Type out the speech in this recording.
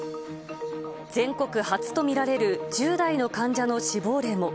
全国初と見られる１０代の患者の死亡例も。